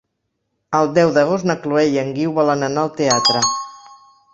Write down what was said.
El deu d'agost na Chloé i en Guiu volen anar al teatre.